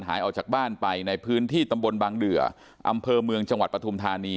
หายออกจากบ้านไปในพื้นที่ตำบลบางเดืออำเภอเมืองจังหวัดปฐุมธานี